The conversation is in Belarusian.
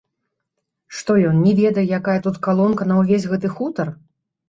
Што ён, не ведае, якая тут калонка на ўвесь гэты хутар?